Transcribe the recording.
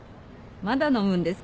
まだ飲むんですか？